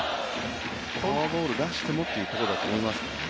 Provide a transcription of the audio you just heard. フォアボール出してもというところだと思いますけどね。